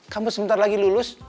kamu sebentar lagi lulus